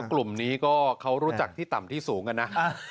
กลุ่มนี้ก็เขารู้จักที่ต่ำที่สูงกันนะ